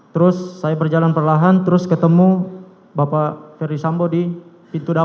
terus saya berjalan perlahan masuk ke dalam garasi yang mulia